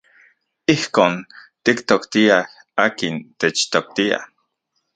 Ijkon tiktoktiaj akin techtoktia.